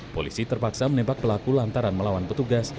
polisi terpaksa menembak pelaku lantaran melawan petugas